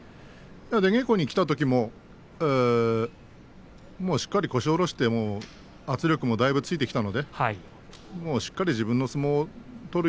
出稽古に来たときももうしっかり腰を下ろして圧力もついてきました。